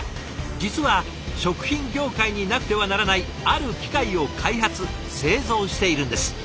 実は食品業界になくてはならないある機械を開発・製造しているんです。